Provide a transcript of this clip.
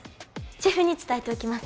シェフに伝えておきます